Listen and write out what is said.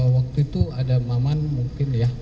waktu itu ada maman mungkin ya